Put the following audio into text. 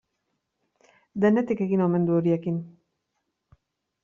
Denetik egin omen du horiekin.